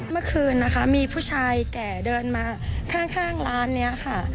เมื่อคืนนะคะมีผู้ชายแก่เดินมาข้างร้านนี้ค่ะ